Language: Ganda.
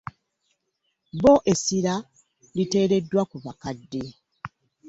Bo essira liteereddwa ku bakadde